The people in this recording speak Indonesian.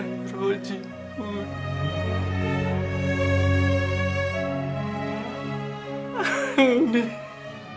seperti satu sisi